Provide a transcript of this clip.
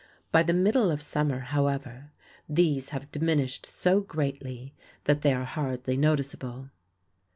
By the middle of summer, however, these have diminished so greatly that they are hardly noticeable.